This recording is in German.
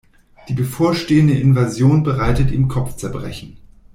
Die bevorstehende Invasion bereitet ihm Kopfzerbrechen.